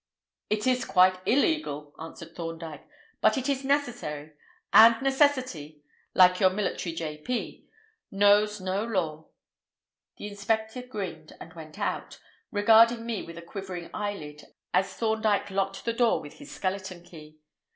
"It is quite illegal," answered Thorndyke; "but it is necessary; and necessity—like your military J.P.—knows no law." The inspector grinned and went out, regarding me with a quivering eyelid as Thorndyke locked the door with his skeleton key.